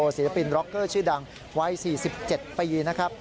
ศิลปินร็อกเกอร์ชื่อดังวัย๔๗ปีนะครับ